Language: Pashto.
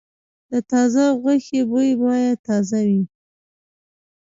د تازه غوښې بوی باید تازه وي.